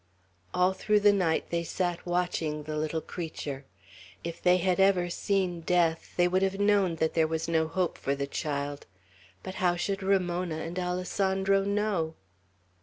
All through the night they sat watching the little creature. If they had ever seen death, they would have known that there was no hope for the child. But how should Ramona and Alessandro know?